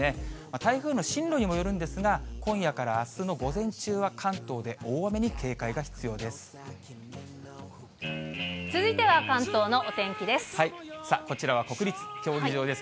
台風の進路にもよるんですが、今夜からあすの午前中は、関東で大雨に警戒が必要です。